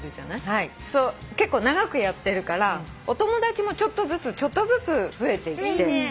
結構長くやってるからお友達もちょっとずつちょっとずつ増えていって。